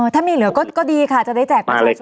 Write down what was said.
ถ้ามีเหลือก็ดีค่ะจะได้แจกประชาชน